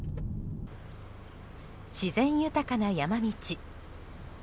自然豊かな山道。